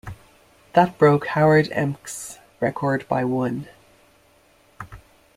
That broke Howard Ehmke's record by one.